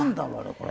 これ。